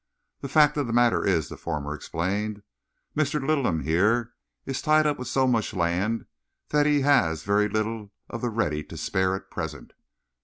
"The fact of the matter is," the former explained, "Mr. Littleham here is tied up with so much land that he has very little of the ready to spare at present.